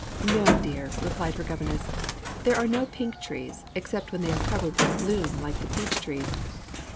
"No, dear;" replied her governess; "there are no pink trees, except when they are covered with bloom like the peach trees.